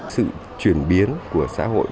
sự chuyển biến của xã hội